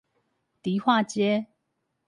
迪化街